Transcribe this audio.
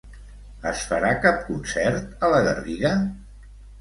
Es farà cap concert a la Garriga?